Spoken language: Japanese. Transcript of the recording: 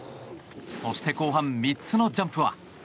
そして、後半３つのジャンプは。